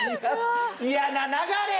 嫌な流れや！